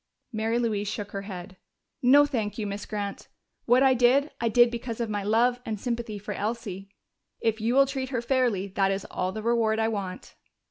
Mary Louise shook her head. "No, thank you, Miss Grant. What I did, I did because of my love and sympathy for Elsie. If you will treat her fairly, that is all the reward I want."